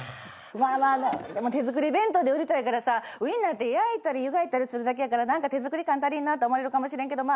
まあまあ手作り弁当で売りたいからさウインナーって焼いたりゆがいたりするだけやから何か手作り感足りんなって思われるかもしれんけどまあ